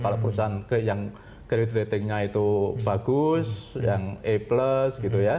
kalau perusahaan yang credit ratingnya itu bagus yang a plus gitu ya